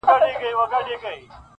ناګهانه یې د بخت کاسه چپه سوه,